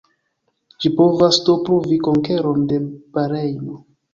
Ĝi povas do pruvi konkeron de Barejno.